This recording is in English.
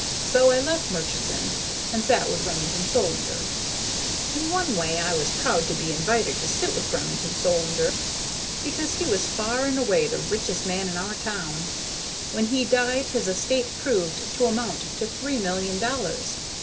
So I left Murchison and sat with Remington Solander. In one way I was proud to be invited to sit with Remington Solander, because he was far and away the richest man in our town. When he died, his estate proved to amount to three million dollars.